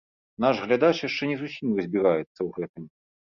Наш глядач яшчэ не зусім разбіраецца ў гэтым.